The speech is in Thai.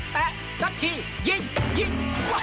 แตะสักทียิงยิง